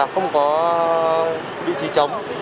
không có vị trí chống